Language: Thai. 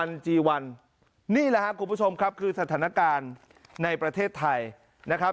จีวันนี่แหละครับคุณผู้ชมครับคือสถานการณ์ในประเทศไทยนะครับ